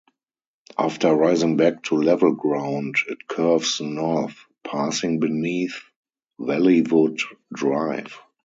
After rising back to level ground, it curves north, passing beneath Valleywood Drive.